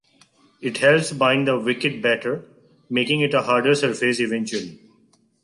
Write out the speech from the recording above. It helps bind the wicket better, making it a harder surface eventually.